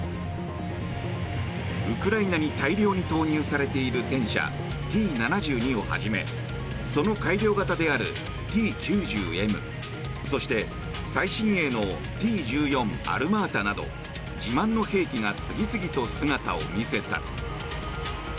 ウクライナに大量に投入されている戦車Ｔ７２をはじめその改良型であるＴ９０Ｍそして、最新鋭のＴ１４アルマータなど自慢の兵器が次々と姿を見せた。